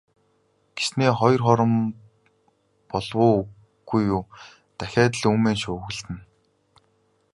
Тэгснээ хоёр хором болов уу, үгүй юу дахиад л үймэн шуугилдана.